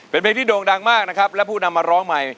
เป็นเพลงที่โด่งดังมากนะครับและผู้นำมาร้องใหม่